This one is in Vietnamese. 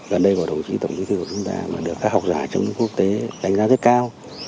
gần đây của tổng bí thư nguyễn phú trọng được các học giả trong nước quốc tế đánh giá rất cao